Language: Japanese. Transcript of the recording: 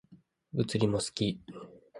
物理も好き